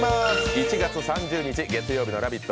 １月３０日月曜日の「ラヴィット！」